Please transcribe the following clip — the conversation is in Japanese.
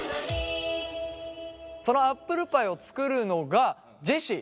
そのアップルパイを作るのがジェシー。